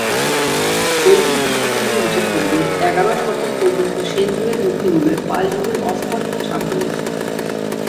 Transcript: শৈল্পিক দৃষ্টিকোণ থেকে বিচার করলে এগার শতক পর্যন্ত সেন যুগের মূর্তিগুলোয় পাল যুগের অস্পষ্ট ছাপ রয়েছে।